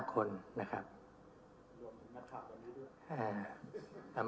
รวมถึงนักขับกันด้วย